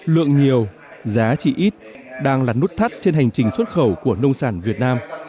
lượng nhiều giá trị ít đang là nút thắt trên hành trình xuất khẩu của nông sản việt nam